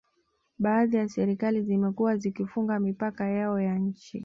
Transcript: Baadhi ya serikali zimekuwa zikifunga mipaka yao ya nchi